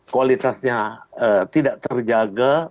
kualitasnya tidak terjaga